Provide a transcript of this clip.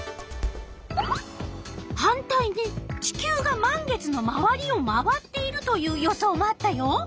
反対に地球が満月のまわりを回っているという予想もあったよ。